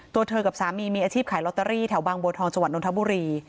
ตัวเธอกับสามีมีอาชีพขายลอตเตอรี่แถวบางบัวทองจังหวัดนทบุรี